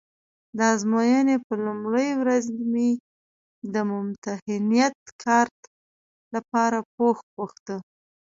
د ازموینې په لومړۍ ورځ مې د ممتحنیت کارت لپاره پوښ غوښته.